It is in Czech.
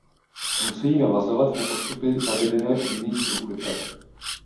Musejí navazovat na postupy zavedené u jiných druhů dopravy.